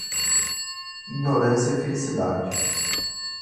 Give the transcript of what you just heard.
Ignorância é felicidade.